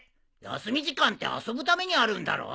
休み時間って遊ぶためにあるんだろ？